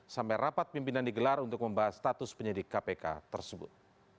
sampai rapat pimpinan digelar untuk membahas status penyidik kpk tersebut